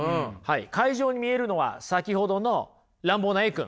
海上に見えるのは先ほどの乱暴なＡ君。